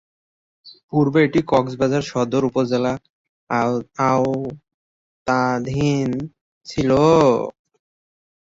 পূর্বে এটি কক্সবাজার সদর উপজেলার আওতাধীন ছিলো।